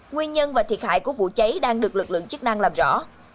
nguyên nhân và thiệt hại của vụ cháy đang được lực lượng chức năng làm rõ